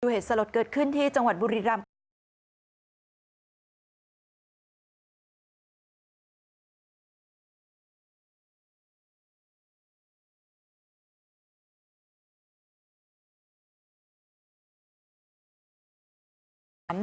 เหตุสลดเกิดขึ้นที่จังหวัดบุรีรำค่ะ